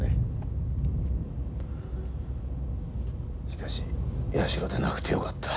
しかし矢代でなくてよかった。